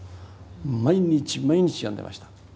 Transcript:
毎日毎日読んでました。